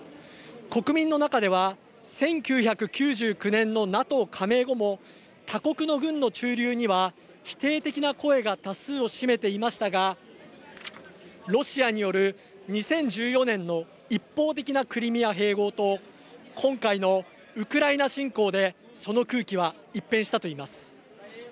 国民の中では１９９９年のＮＡＴＯ加盟後も他国の軍の駐留には否定的な声が多数を占めていましたがロシアによる２０１４年の一方的なクリミア併合と今回のウクライナ侵攻でその空気は一変したといいます。